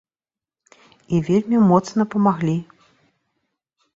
І вельмі моцна памаглі.